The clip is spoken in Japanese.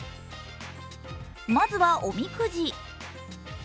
まずはおみくじ。